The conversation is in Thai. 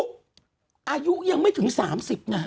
คุณหนุ่มกัญชัยได้เล่าใหญ่ใจความไปสักส่วนใหญ่แล้ว